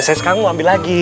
saya sekarang mau ambil lagi